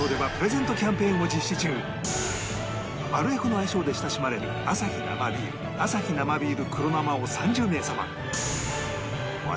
マルエフの愛称で親しまれるアサヒ生ビールアサヒ生ビール黒生を３０名様